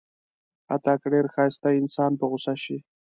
حتی که ډېر ښایسته انسان په غوسه شي.